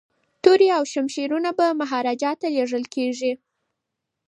توري او شمشیرونه به مهاراجا ته لیږل کیږي.